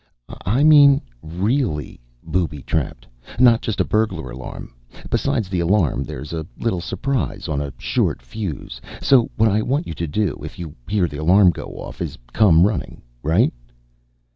"I mean really booby trapped. Not just a burglar alarm. Besides the alarm, there's a little surprise on a short fuse. So what I want you to do, if you hear the alarm go off, is come running. Right?"